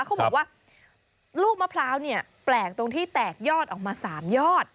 เขาบอกว่าลูกมะพร้าวเนี่ยแปลกตรงที่แตกยอดออกมา๓ยอด